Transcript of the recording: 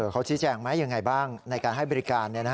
เขาชี้แจงไหมยังไงบ้างในการให้บริการ